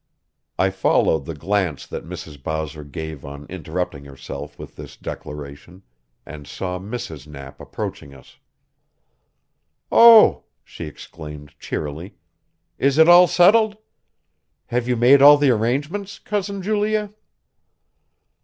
I followed the glance that Mrs. Bowser gave on interrupting herself with this declaration, and saw Mrs. Knapp approaching us. "Oh," she exclaimed cheerily, "is it all settled? Have you made all the arrangements, Cousin Julia?"